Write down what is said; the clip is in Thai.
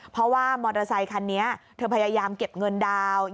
เพราะว่ามอเตอร์ไซคันนี้เธอพยายามเก็บเงินดาวน์